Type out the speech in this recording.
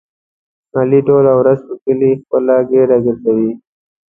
علي ټوله ورځ په کلي خپله ګېډه ګرځوي.